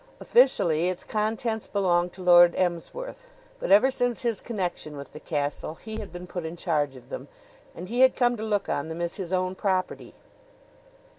Officially its contents belonged to Lord Emsworth, but ever since his connection with the castle he had been put in charge of them, and he had come to look on them as his own property.